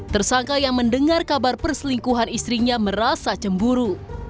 tersangka yang mendengar kabar perselingkuhan istrinya merasa cemburu